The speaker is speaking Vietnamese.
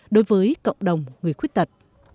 đối với cộng đồng người khuyết tật